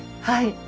はい。